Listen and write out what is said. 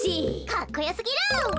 かっこよすぎる。